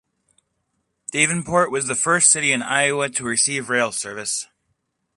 Davenport was the first city in Iowa to receive rail service.